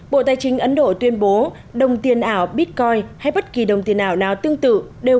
bộ tài chính ấn độ tuyên bố đồng tiền ảo bitcoin hay bất kỳ đồng tiền ảo nào tương tự